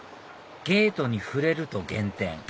ゲートに触れると減点ほお！